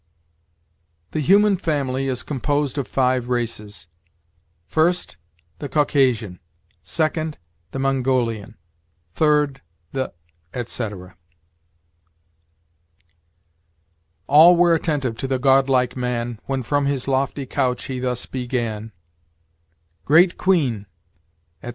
'" "The human family is composed of five races: first, the Caucasian; second, the Mongolian; third, the," etc. "All were attentive to the godlike man When from his lofty couch he thus began: 'Great queen,'" etc.